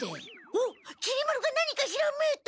おっきり丸が何かひらめいた！